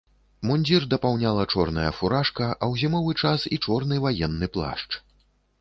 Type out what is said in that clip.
Мундзір дапаўняла чорная фуражка, а ў зімовы час і чорны ваенны плашч.